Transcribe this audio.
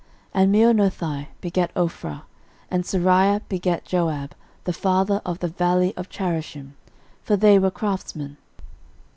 13:004:014 And Meonothai begat Ophrah: and Seraiah begat Joab, the father of the valley of Charashim; for they were craftsmen.